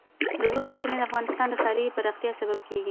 د اوبو سرچینې د افغانستان د ښاري پراختیا سبب کېږي.